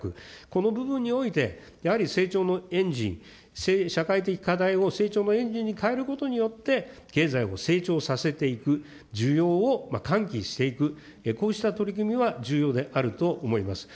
この部分において、やはり成長のエンジン、社会的課題を成長のエンジンに変えることによって、経済を成長させていく、需要を喚起していく、こうした取り組みは重要であると思います。